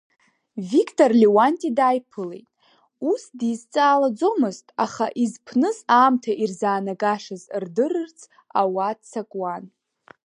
Виктор Леуанти дааиԥылеит, ус дизҵаалаӡомызт, аха изԥныз аамҭа ирзаанагашаз рдырырц ауаа ццакуан.